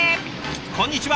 こんにちは。